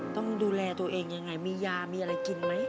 ต้องดูแลตัวเองยังไงมียามีอะไรกินไหม